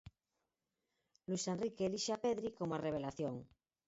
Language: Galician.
Luís Enrique elixe a Pedri como a revelación.